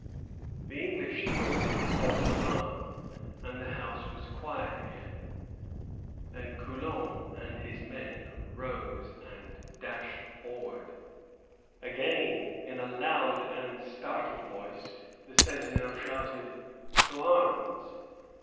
The English thought it a false alarm, and the house was quiet again. Then Coulon and his men rose and dashed forward. Again, in a loud and startled voice, the sentinel shouted, "To arms!"